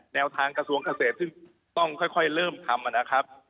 แนวทางกระทรวงเกษตรซึ่งต้องค่อยเริ่มทำนะครับ